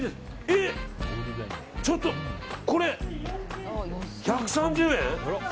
え、ちょっと、これ１３０円？